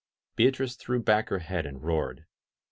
Beatrice threw back her head and roared.